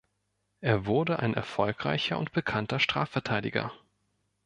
Er wurde ein erfolgreicher und bekannter Strafverteidiger.